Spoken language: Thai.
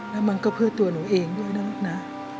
แล้วมันก็เพื่อตัวหนูเองด้วยนะลูกนะ